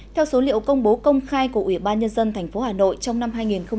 theo số liệu công bố công khai của ubnd tp hà nội trong năm hai nghìn một mươi chín